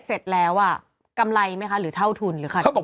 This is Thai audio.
เออรับรายถือว่าบวก